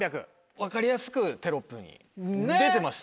分かりやすくテロップ出てました。